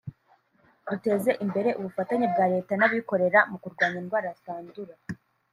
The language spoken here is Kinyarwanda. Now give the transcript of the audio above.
“Duteze imbere ubufatanye bwa Leta n’abikorera mu kurwanya indwara zitandura